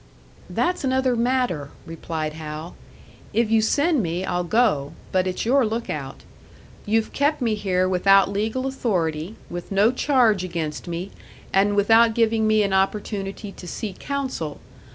"That's another matter," replied Hal. "If you send me, I'll go, but it's your look out. You've kept me here without legal authority, with no charge against me, and without giving me an opportunity to see counsel.